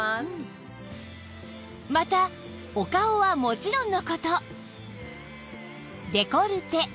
またお顔はもちろんの事